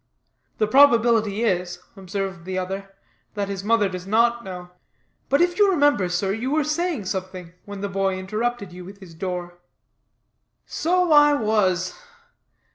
"The probability is," observed the other, "that his mother does not know. But if you remember, sir, you were saying something, when the boy interrupted you with his door." "So I was.